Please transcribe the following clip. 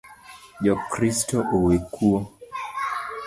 Jo Kristo owe kuo